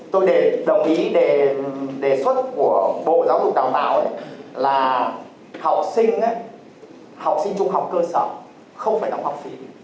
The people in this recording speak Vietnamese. tôi đồng ý đề xuất của bộ giáo dục đào bảo là học sinh trung học cơ sở không phải đóng học phí